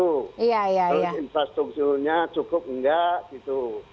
terus infrastrukturnya cukup enggak gitu